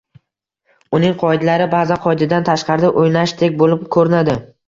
Uning qoidalari ba’zan qoidadan tashqarida o’ynashdek bo’lib ko’rinadi